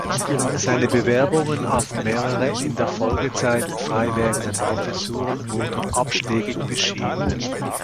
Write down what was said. Seine Bewerbungen auf mehrere in der Folgezeit freiwerdende Professuren wurden abschlägig beschieden.